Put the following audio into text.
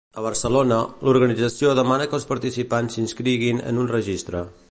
A Barcelona, l’organització demana que els participants s’inscriguin en un registre.